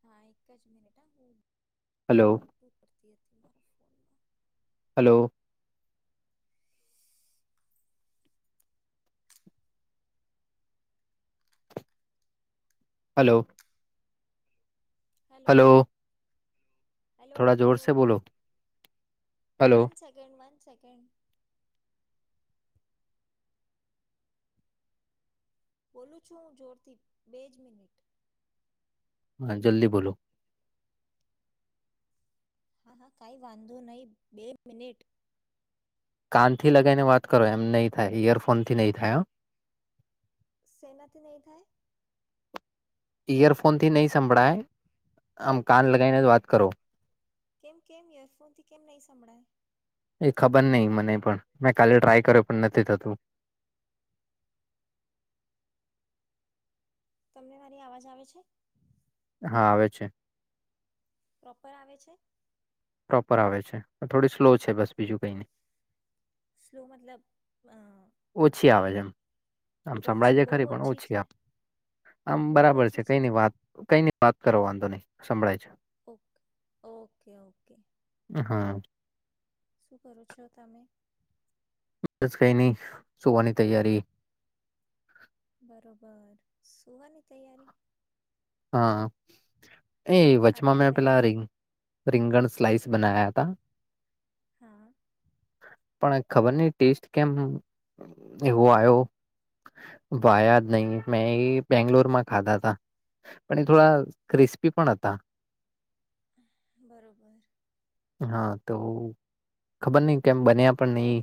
હા એક જ મિનિટ હલો યુટ્યુબ પરતી હતી મારા ફોનમાં hello hello. Hello hello hello થોડા જોર હેલો સે બોલો હલો વન સેકન્ડ સેકન્ડ બોલું છું હું જોરથી બેજ મિનિટ હા, જલ્દી બોલો. હા હા કાંઈ વાંધો નહી બે મિનિટ. કાનથી લગાવને વાત કરો એમ નહી થાય ઈયરફોનથી નહી થાય હ સેનાથી નહી થાય. ઇયરફોનથી નહી સંંભળાય. કેમ આમ કાન લગાવી ને વાત. કરો. કેમ કેમ યરફોનથી કેમ નહી સંભળાય. મે કાલે ટ્રાય કર્યો નથી થતું. તમને મારી અવાજ આવે છે. હા આવે છે. પ્રોપર આવે છે. પ્રોપર આવે છે પર થોડી સ્લો છે બસ બીજું કઈ નહી. સ્લો મતલબ. અ, ઓછી આવે છે એમ આમ ઓછી સંભળાયજ બહુ ખરી પણ છે ઓછી આવે આમ બહુ બરાબર છે ઓછી કઈની વાત કઈ વાત કરો વાંધો નહી સંભળાય છે. Okay okay okay. હા. શું કરો છો તમે. બસ કઈ નહી સુવાની તૈયારી. બરોબર સુવાની તૈયારી. હા. એ વચમાં આટલા મેં વહેલા પેલા રંગ રીંગણ સ્લાઈસ બનાયા તા હા. પણ ખબર નહીં ટેસ્ટ કેમ એવો આવ્યોયા જ નહી મેં એ બેંગ્લોરમાં ખાધા તા. પણ એ થોડા ક્રિસ્પી પણ હતા. બરોબર. હા તો ખબર નહી કેમ બન્યા પણ નહી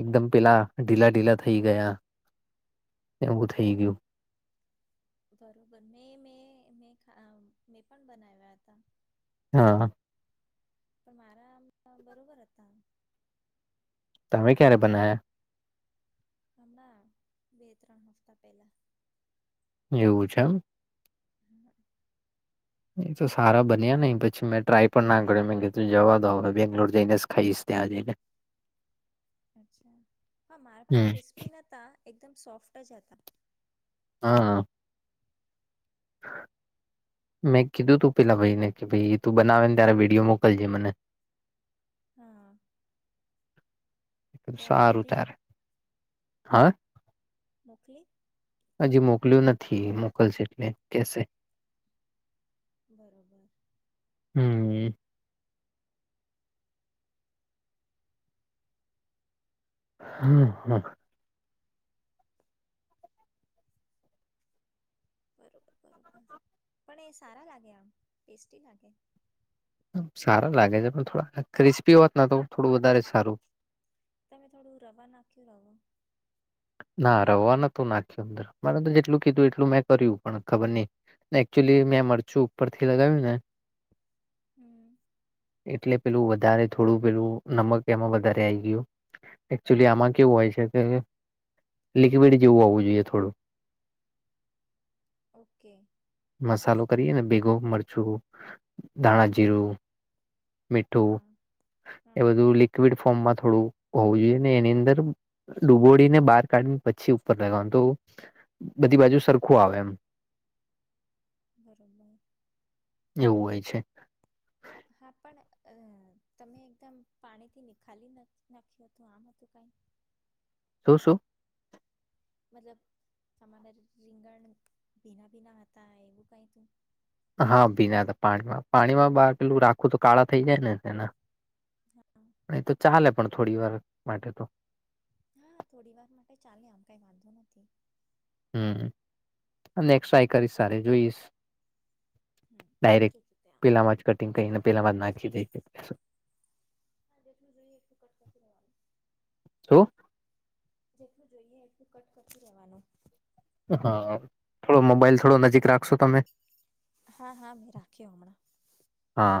એકદમ પેલા ઢીલા ઢીલા થઈ ગયા એવું થઈ ગયું. બરોબર મે મે મે મેં પણ બનાવ્યા હતા. હા. પણ મારા બરોબર હતા. તમે ક્યારે બનાયા. હમણા બે ત્રણ હફ્તા પહેલા. એવું છે એમ. હમ્મ. એ તો સારા બન્યા નઇ પછી મેં ટ્રાય પણ ના કર્યો મે કે તું જવા દો હવે બેંગ્લોર જઈને ખાઈશ ત્યાં જઈને. અચ્છા હ મારા પણ હમ ક્રિસ્પી ન એકમ સોફ્ટ જ હતા. હા. મેં કીધું તું પેલા ભાઈને કે ભાઈ એ તું બનાવે ને ત્યારે વિડીયો મોકલજે મને. હા. તો એને સારું મોકલી ત્યારે હા મોકલી હજી મોકલ્યું નથી. મોકલશે એટલે કેસે. બરોબર. હમ હા હા. બબબર પણ એ સારા લાગે આમ ટેસ્ટી લાગે. સારા લાગે છે પણ થોડા ક્રિસ્પી હોત તો થોડું વધારે સારું. તમે થોડું રવા નાખ્યું રવો. ના રવા નતું નાખ્યું અંદર મારે તો જેટલું કીધું એટલું મેં કર્યું પણ ખબર નઈ એકચુલી મેં મરચું ઉપર થી લગાવ્યું ને. હમ્મ. એટલે પેલું વધારે થોડું પેલું નમક એમાં વધારે આવી ગયું એકચુલી આમાં કેવું હોય છે કે લિક્વિડ જેવું આવવું જોઈએ થોડું. ઓકે. મસાલો કરીએ ને ભેગું મરચું. હમ ધાણાજીરુ, મીઠું હા હા એ બધું હા લિક્વિડ ફોર્મમાં થોડું હોવું જોઈએ ને એની અંદર ડુબોડીને બહાર કાઢીને પછી ઉપર લગાવવાનું તો બધી બાજુ સરખું આવે એમ. બરાબર. એવું હોય છે. હા પણ અ તમે એકદમ પાણીથી નિખાલી નાખ્યું હતું આમ હતું કઈ. શું શું. મતલબ તમારા રીંગણ ભીના ભીના હતા એવું કઈ તું. હા ભીના હતા પાણીમાં પાણીમાં બાર પેલું રાખું તો કાળા થઈ જાય ને હા એના એ તો ચાલે પણ થોડી વાર માટે તો. હા થોડી વાર માટે ચાલે આમ કઈ વાંધો નથી. હમ્મ અને ટ્રાય કરીશ સારે જોઈશ. હમ ડાયરેક જોજું ત્યાં પેલામાં જ કટિંગ કરીને પેલામાં જ નાખી દે. હ જેટલું જોઈએનું. શું જોઈએ એટલું કટકટું રહેવાનું. હા થોડો મોબાઈલ થોડો નજીક રાખશો તમે. હા હા મેં રાખ્યો હમણાં. હા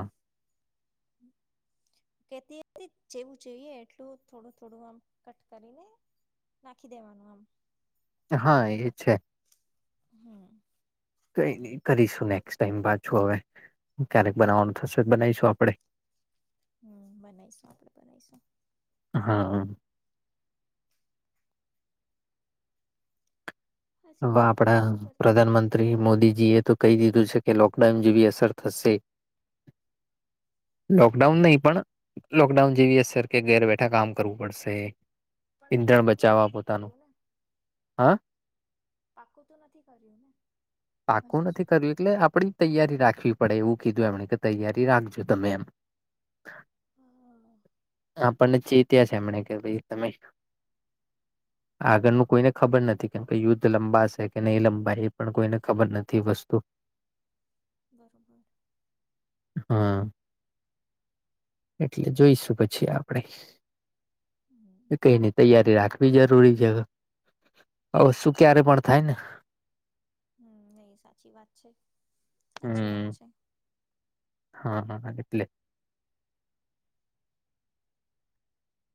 કેતી હતી જેવું જોઈએ એટલું થોડું થોડું આમ કટ કરીને નાખી દેવાનું આમ. હા એ છે. હમ. કઈ ન કરીશું નેક્સ્ટ ટાઈમ પાછું હવે ક્યારેક બનાવવાનું થશે બનાવીશું આપણેે. હમ બનાવીશું આપડે બનાવીશું. હા. હા હવે શીખો આપડા શું કરતા હતા પ્રધાનમંત્રી મોદીજી એ તો કહી દીધું છે. કે લોકડાઉન જેવી અસર થશે. કડાઉન નહીં પણ લોકડાઉન જેવી હ સર કે ઘેર બેઠા કામ કરવું પડશે. પણ એમ ઈંધણ પાક્કું તો બચાવવા નથી પોતાનું કર્યું ને હા. પાક્કું તો નથી કર્યું ને પાકું હજી નથી સુધી કર્યું એટલે આપડી તૈયારી રાખવી પડે એવું કીધું. મ કે તૈયારી રાખજો તમે એમ. હા હ આપને ચી ત્યાં એમ કે ભ તમે આગળનું કોઈને ખબર નથી. કેમ કે યુદ્ધ લંબાશે કે નહીં લંબા એ પણ કોઈને ખબર નથી વસ્તુ. બરોબર. હા એટલે જોઈશું પછી આપણેે હમ કઈની તૈયારી રાખવી જરૂરી છે. હવ શું ક્યારે પણ થાય ને હમ એહી સાચી વાત છે. સાચી વાત હમ છે. હા હા હા એટલે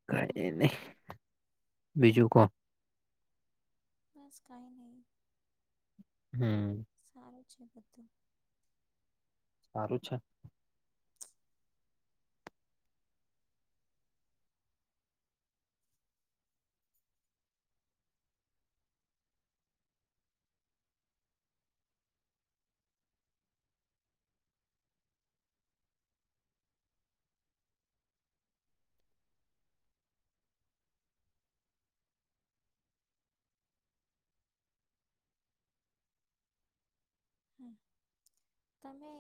કઈ હમ નહી બીજું કોણ. બસ કઈ નહી હમ. સારું છે બધું સારું છે. હ તમે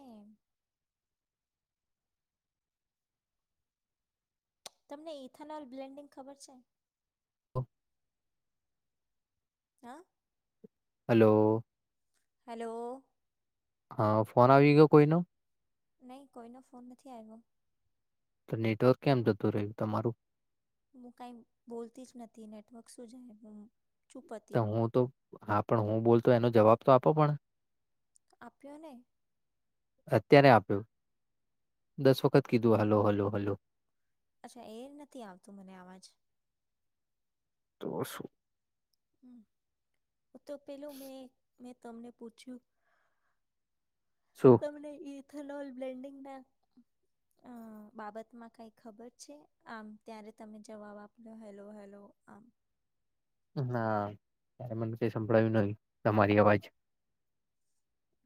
તમને ઇથેનોલ બ્લેન્ડિંગ ખબર છે. હા. હલો. હલો. હા ફોન આવી ગયો કોઈ નો નહી કોઈનો ફોન નથી આવ્યો. તો નેટવર્ક કેમ જતું રહ્યું તમારું હું કઈ બોલતી જ નથી નેટવર્ક સુું જાય હ તો હું તો હા પણ હું બોલ તો એનો જવાબ તો આપો પણ આપ્યો ને અત્યારે આપ્યું દસ વખત કીધું હલો હલો હલો. અચ્છા એ નથી આવતું મને અવાજ તો શું? હમ તો પેલું મેં મેં તમને પૂછ્યું શું તમને એ બાબતમાં કંઈ ખબર છે? આમ ત્યારે તમે જવાબ આપ્યો, હેલો, હેલો આમ. ના, ત્યારે મન કંઈ સંભળાયું નઈં. તમારી અવાજ.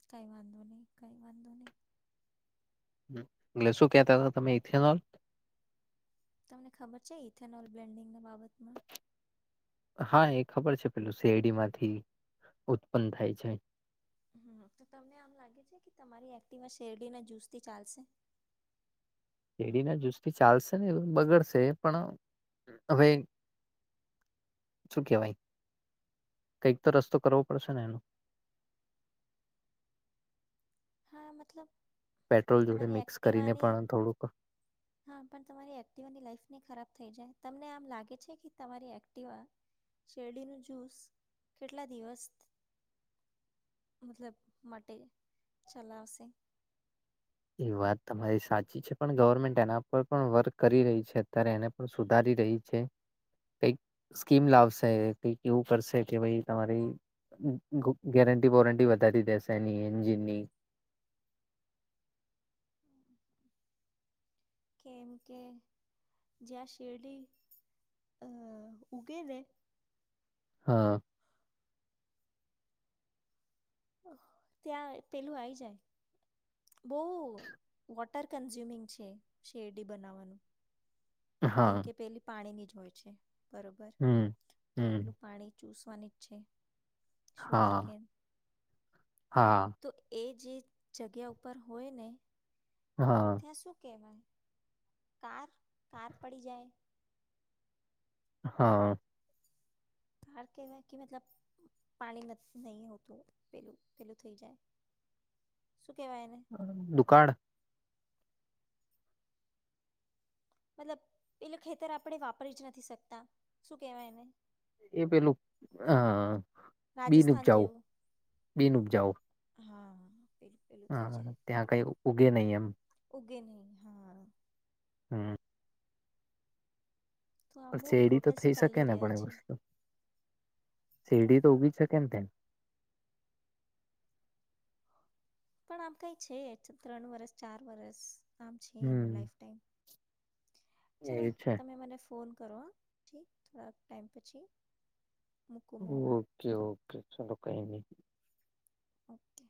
કઈ વાંધો નહી કઈ વાંધો નહી એટલે શું કહેતા હતા તમે, ઇથેનોલ? તમને ખબર છે ઇથેનોલ બ્લેન્ડિંગના બાબતમાં? હા, એ ખબર છે. પેલું શેરડીમાંથી ઉત્પન્ન થાય છે. હ, તો તમને આમ લાગે છે કે તમારી એક્ટીવા શેરડી ના જ્યુસથી ચાલશે? શેરડીના જ્યુસ થી ચાલશે નહીં, એવ બગડશે પણ, હવે શું કેવાય, કંઈક તો રસ્તો કરવો પડશે ને એનો? હા, મતલબ પેટ્રોલ જોડે તમારી મિક્સ કરીને એક્ટિવાની, પણ થોડુંક હા પણ તમારી એક્ટિવાની લાઈફ નહીં ખરાબ થઈ જાય. તમને આમ લાગે છે કે તમારી એક્ટિવા શેરડીનો જ્યુસ, કેટલા દિવસ, મતલબ માટે ચલાવશે? એ વાત તમારી સાચી છે, પણ ગવર્મેન્ટ એના પર પણ વર્ક કરી રહી છે. અત્યારે એને પણ સુધારી રહી છે. કંઈક સ્કીમ લાવશે કંઈક એવું કરશે કે ભાઈ, તમારી ગેરંટી વોરંટી વધારી દેશે એની એન્જિનની. કેમ કે, જ્યાં શેરડી અ ઉગે ને હા. ત્યાં પેલું આઈ જાય. બહુ વોટર કન્ઝ્યુમિંગ છે, શેરડી બનાવવાનું. કેમ હા કે પેલી પાણીની હોય છે. બરોબર, હમ તો હમ એટલું પાણી ચૂસવાની જ છે. શુગર હા કેમ હા તો એ જે જગ્યા ઉપર હોય ને હા ત્યાં શું કેવાય? કાર કાર પડી જાય. હા. હાર કેવાય કે મતલબ પાણી નથ નઈ હોતું પેલું પેલું થઈ જાય. શું કહેવાય એને દુકાળ મતલબ એટલે ખેતર આપણે વાપરી જ નથી શકતા શું કેવાય એને? એ પેલું હ અ રાજસ્થાન બિનઉપજાઉ જેવું. બિન ઉપજાઉ હા પેલું પેલું થઈ હાં, જાય હાં ત્યાં કઈ ઉગે નઈ એમ. તે નઈ હા. હમ્મ. તો આમ પણ બહુ શેરડી તો પ્રોટેસ્ટ થઈ શકે ચાલી ને રહ્યા પણ એ છે વસ્તુ શેરડી તો ઉગી જ શકે ન ત્યાં પણ આમ કંઈ છે જ ત્રણ વરસ ચાર વરસ આમ છે એનું હમ લાઈફ ટાઈમ. ચ એ છે તમે મને ફોન કરવા ઠીક થોડાક ટાઈમ પછી. મૂકું હું હમણાં ઓકે ઓકે. શું તો કઈ નઈ. ઓકે.